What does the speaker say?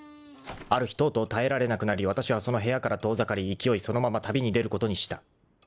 ［ある日とうとう耐えられなくなりわたしはその部屋から遠ざかり勢いそのまま旅に出ることにした］